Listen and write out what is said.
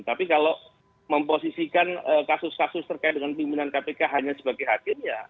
tapi kalau memposisikan kasus kasus terkait dengan pimpinan kpk hanya sebagai hakim ya